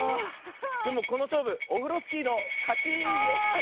でもこのしょうぶオフロスキーのかち！イエー！